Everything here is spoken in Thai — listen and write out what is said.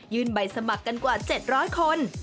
ใบสมัครกันกว่า๗๐๐คน